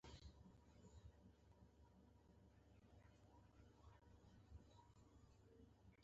د پیوند کولو لپاره ښه ډډونه پکار دي.